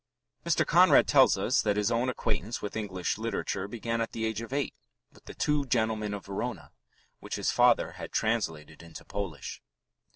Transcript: Mr. Conrad tells us that his own acquaintance with English literature began at the age of eight with The Two Gentlemen of Verona, which his father had translated into Polish.